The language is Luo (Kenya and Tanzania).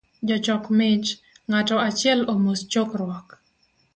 Jochok mich, ng’ato achiel omos chokruok